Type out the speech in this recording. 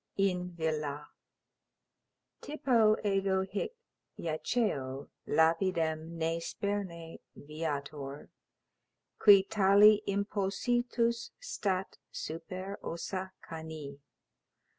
IN VILLA. Tippo ego hic jaceo, lapidem ne sperne, viator, Qui tali impositus stat super ossa cani.